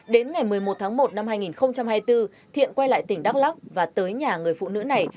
đến ngày một mươi một tháng một năm hai nghìn hai mươi bốn thiện quay lại tỉnh đắk lắc và tới nhà người phụ nữ này